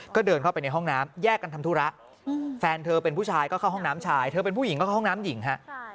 ก็เดินเข้าไปในห้องน้ำแยกกันทำธุระแฟนเธอเป็นผู้ชายก็เข้าห้องน้ำชายเธอเป็นผู้หญิงก็เข้าห้องน้ำหญิงฮะ